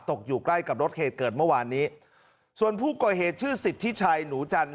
ตกอยู่ใกล้กับรถเหตุเกิดเมื่อวานนี้ส่วนผู้ก่อเหตุชื่อสิทธิชัยหนูจันท